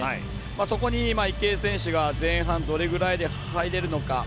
そこに、池江選手が前半どれぐらいで入れるのか。